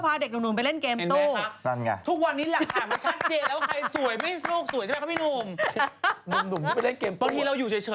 อ๋อตัวเล็กฯนึงหรอ